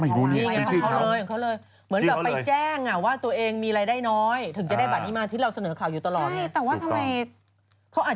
ไม่รู้เลยเป็นชื่อเขา